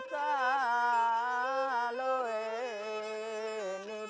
siap psal ini cheering